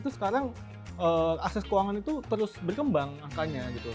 itu sekarang akses keuangan itu terus berkembang angkanya gitu